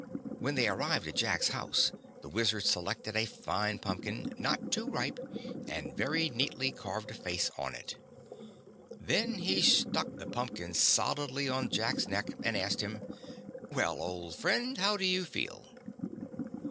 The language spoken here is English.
When they arrived at Jack's house the Wizard selected a fine pumpkin not too ripe and very neatly carved a face on it. Then he stuck the pumpkin solidly on Jack's neck and asked him: "Well, old friend, how do you feel?"